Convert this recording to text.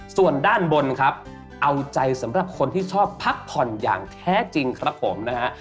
ส่วนด้านบนครับเอาใจสำหรับคนที่ชอบพักผ่อนอย่างแท้จริงครับผมนะฮะ